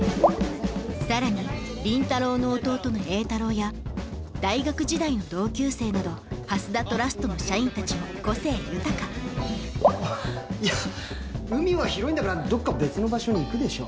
さらに倫太郎の弟の榮太郎や大学時代の同級生など蓮田トラストの社員たちも個性豊かいや海は広いんだからどっか別の場所に行くでしょ。